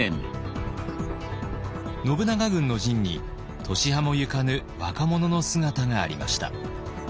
信長軍の陣に年端も行かぬ若者の姿がありました。